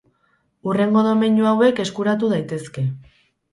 Hurrengo domeinu hauek eskuratu daitezke.